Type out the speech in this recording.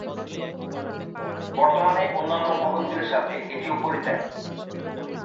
বর্তমানে অন্যান্য ভবনগুলির সাথে এটিও পরিত্যক্ত।